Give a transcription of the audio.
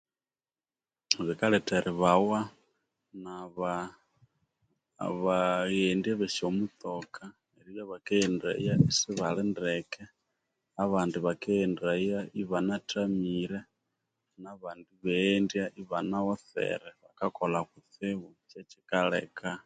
Bikaletheribawa naba abaghendi abe sya mutoka eribya bakaghendaya isibali ndeke abandi bakaghendaya ibana thamire nabandi ibaghendya ibana ghotsere bakakolha kutsibu kyekikaleka